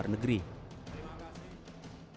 yang mampu bersaing di luar negeri